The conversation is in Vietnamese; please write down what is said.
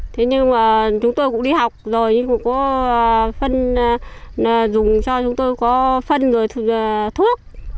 thế nhưng mà chúng tôi cũng đi học rồi nhưng cũng có phân dùng cho chúng tôi có phân rồi thuốc